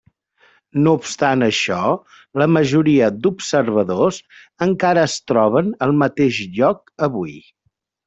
No obstant això, la majoria d'Observadors encara es troben al mateix lloc avui.